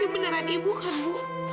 beneran ibu kan bu